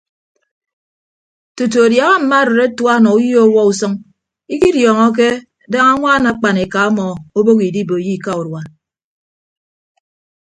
Tutu adiaha mma arịd atua nọ uyo ọwuọ usʌñ ikidiọọñọke daña añwaan akpan eka ọmọ obooho idiboiyo ika urua.